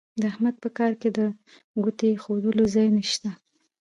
د احمد په کار کې د ګوتې اېښولو ځای نه شته.